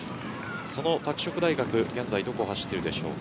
その拓殖大学、現在どこを走っているでしょうか。